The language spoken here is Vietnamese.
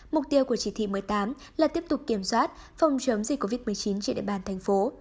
mục tiêu của chỉ thị một mươi tám là tiếp tục kiểm soát phòng chống dịch covid một mươi chín trên địa bàn thành phố